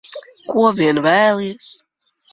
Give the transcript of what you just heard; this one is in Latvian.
Ko vien vēlies.